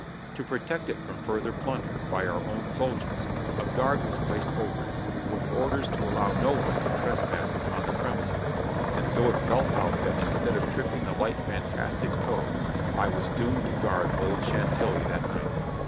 To protect it from further plunder by our own soldiers, a guard was placed over it, with orders to allow no one to trespass upon the premises, and so it fell out that instead of tripping the light fantastic toe, I was doomed to guard old Chantilly that night.